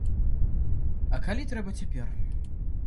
А калі трэба цяпер?